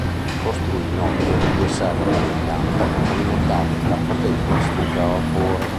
Costruì, inoltre, due serre per le piante, alimentate da potenti stufe a vapore.